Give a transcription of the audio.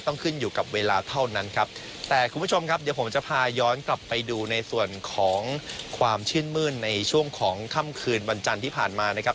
ต้องขึ้นอยู่กับเวลาเท่านั้นครับแต่คุณผู้ชมครับเดี๋ยวผมจะพาย้อนกลับไปดูในส่วนของความชื่นมื้นในช่วงของค่ำคืนวันจันทร์ที่ผ่านมานะครับ